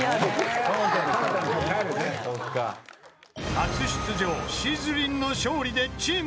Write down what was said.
［初出場しずりんの勝利でチーム